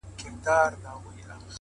• صوفي او حاکم,